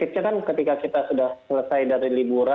ya prinsipnya kan ketika kita sudah selesai dari perhubungan